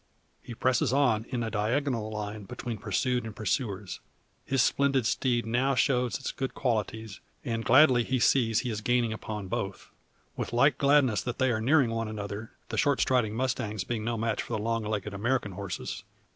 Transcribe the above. He presses on in a diagonal line between pursued and pursuers. His splendid steed now shows its good qualities, and gladly he sees he is gaining upon both. With like gladness that they are nearing one another, the short striding mustangs being no match for the long legged American horses.